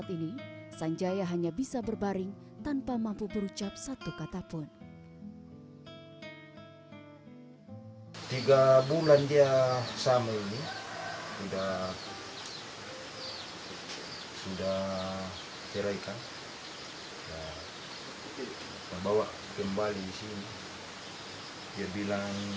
ini kaki satu lengkap juga tapi kecil